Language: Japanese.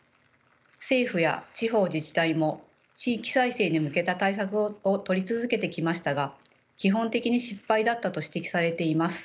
政府や地方自治体も地域再生に向けた対策を取り続けてきましたが基本的に失敗だったと指摘されています。